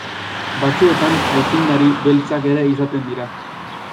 Batzuetan aitzindari beltzak ere izaten dira.